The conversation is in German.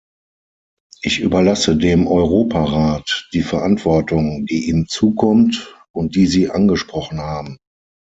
Ich überlasse dem Europarat die Verantwortung, die ihm zukommt und die Sie angesprochen haben.